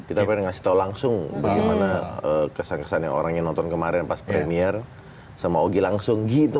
kita pengen ngasih tau langsung bagaimana kesan kesan yang orangnya nonton kemarin pas premiere sama augie langsung gitu